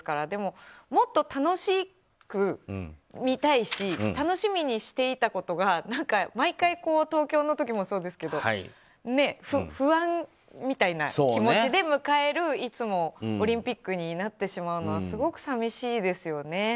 でも、もっと楽しく見たいし楽しみにしていたことが毎回、東京の時もそうですが不安みたいな気持ちで迎えるいつもオリンピックになってしまうのはすごく寂しいですよね。